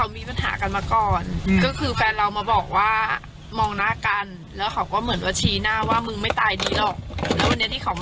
ไม่เกี่ยวกับเรื่องแย่งรถเลยค่ะ